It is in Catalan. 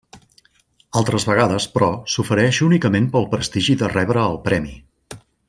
Altres vegades, però, s'ofereix únicament pel prestigi de rebre el premi.